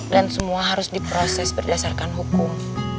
dan semua harus diproses berdasarkan hukum